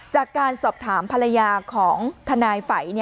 จากการสอบถามภรรยาของทนายไฝ